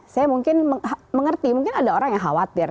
saya mungkin mengerti mungkin ada orang yang khawatir